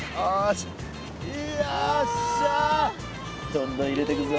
どんどん入れてくぞ。